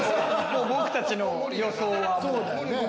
僕たちの予想は。